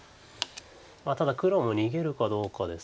ただ黒も逃げるかどうかです。